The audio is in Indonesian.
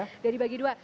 sudah dibagi dua